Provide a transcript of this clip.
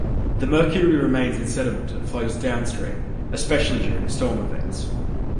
The mercury remains in sediment and flows downstream, especially during storm events.